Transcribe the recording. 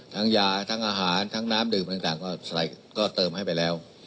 ยาทั้งอาหารทั้งน้ำดื่มต่างก็เติมให้ไปแล้ว